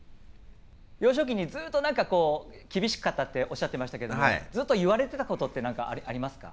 幼少期にずっと何かこう厳しかったっておっしゃってましたけどもずっと言われてたことって何かありますか？